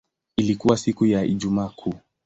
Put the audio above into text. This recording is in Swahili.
Ilikuwa siku ya Ijumaa Kuu.